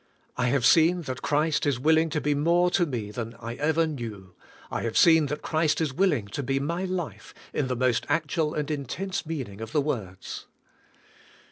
I have seen that Christ is willing to be more to me than I ever knew; I have seen that Christ is willing to be my life in the most actual and intense meaning of the words."